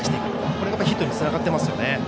これがヒットにつながっています。